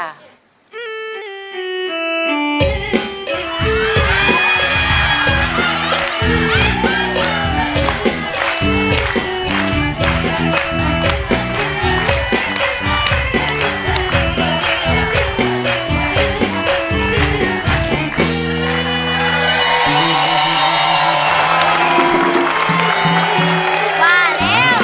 มาแล้ว